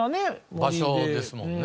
場所ですもんね。